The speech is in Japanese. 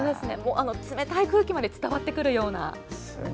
冷たい空気まで伝わってくるような。